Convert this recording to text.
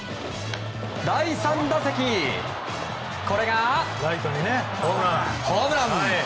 第３打席、これがホームラン。